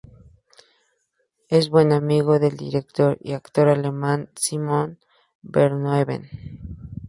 Es buen amigo del director y actor alemán Simon Verhoeven.